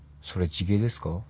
それ地毛ですか？